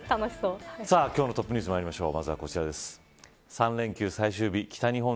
さあ今日のトップニュースまいりましょう。